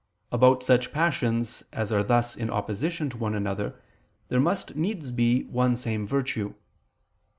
About such passions as are thus in opposition to one another there must needs be one same virtue.